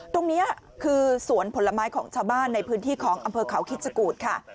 ตรงนี้คือสวนผลไม้ของชาวบ้านในพื้นที่ของอำเภอเขาคิดสกูธค่ะ